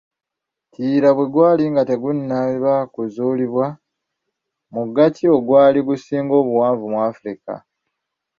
"Kiyira bwe gwali nga tegunnaba kuzuulibwa, mugga ki ogwali gusinga obuwanvu mu Afrika?"